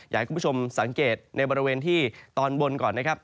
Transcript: อยากให้คุณผู้ชมสังเกตในบริเวณที่ตอนบนก่อนนะครับ